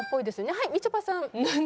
はいみちょぱさん。